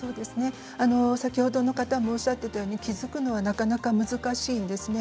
先ほどの方もおっしゃっていたように気付くのはなかなか難しいんですね。